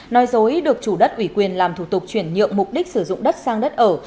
nói dối được chủ đất ủy quyền làm thủ tục chuyển nhượng mục đích sử dụng đất sang đất ở